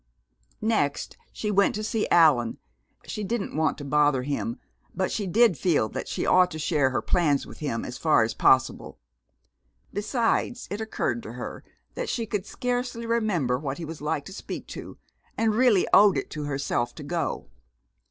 Next she went to see Allan. She didn't want to bother him, but she did feel that she ought to share her plans with him as far as possible. Besides, it occurred to her that she could scarcely remember what he was like to speak to, and really owed it to herself to go.